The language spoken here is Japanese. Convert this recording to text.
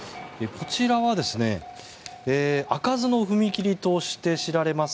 こちらは開かずの踏切として知られます